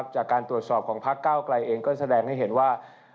จากการตรวจสอบของพักเก้าไกลเองก็แสดงให้เห็นว่า